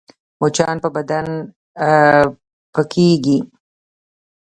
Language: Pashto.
مچان په بدن پکېږي